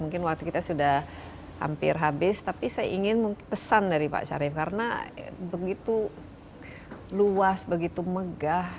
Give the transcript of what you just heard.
mungkin waktu kita sudah hampir habis tapi saya ingin pesan dari pak syarif karena begitu luas begitu megah